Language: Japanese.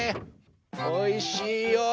おいしいよ。